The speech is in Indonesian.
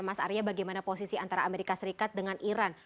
mas arya bagaimana posisi antara amerika serikat dengan iran